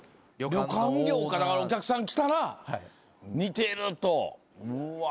だからお客さん来たら「似てる！」と。